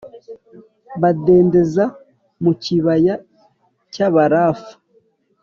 badendeza mu kibaya cy’Abarafa.